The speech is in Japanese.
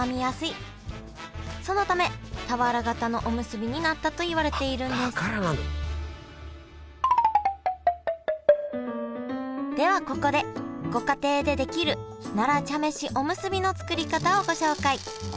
そのため俵型のおむすびになったといわれているんですではここでご家庭でできる奈良茶飯おむすびの作り方をご紹介。